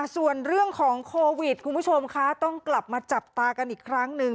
ส่วนเรื่องของโควิดคุณผู้ชมคะต้องกลับมาจับตากันอีกครั้งหนึ่ง